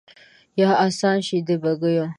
یا آسان شي د بګیو